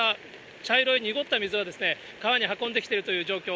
茶色い濁った水が川に運んできているという状況。